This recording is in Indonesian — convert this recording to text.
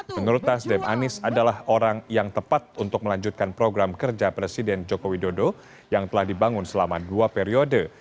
menurut nasdem anies adalah orang yang tepat untuk melanjutkan program kerja presiden joko widodo yang telah dibangun selama dua periode